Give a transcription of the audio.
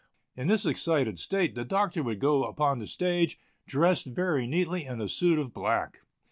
In this excited state the Doctor would go upon the stage, dressed very neatly in a suit of black.